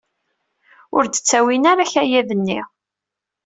Ur d-ttawin ara akayad-nni.